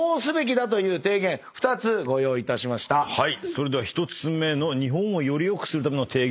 それでは１つ目の日本をよりよくするための提言